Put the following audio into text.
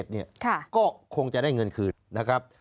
๒๔๕๑เนี่ยก็คงจะได้เงินคืนนะครับ